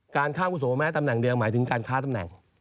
การค้าวุโสแม้ตำแหน่งเดียวหมายถึงการค้าตำแหน่ง